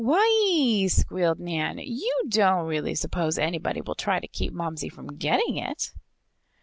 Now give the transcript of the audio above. "Why, ee!" squealed Nan. "You don't really suppose anybody will try to keep Momsey from getting it?"